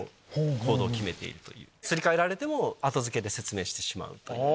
すり替えられても後付けで説明してしまうという。